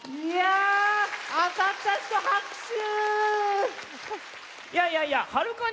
いやいやいやはる